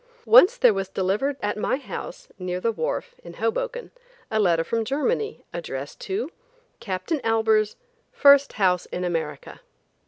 "Once there was delivered at my house, near the wharf, in Hoboken, a letter from Germany, addressed to, 'CAPTAIN ALBERS, FIRST HOUSE IN AMERICA.'"